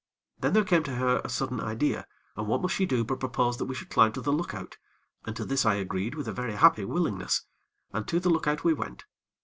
Then there came to her a sudden idea, and what must she do but propose that we should climb to the lookout, and to this I agreed with a very happy willingness. And to the lookout we went.